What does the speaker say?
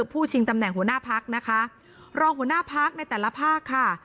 ชิงตำแหน่งหัวหน้าพักนะคะรองหัวหน้าพักในแต่ละภาคค่ะ